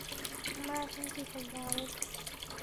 আমরা এখন কি করব, আরুল?